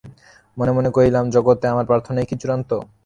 মনে মনে কহিলাম, জগতে আমার প্রার্থনাই কি চূড়ান্ত।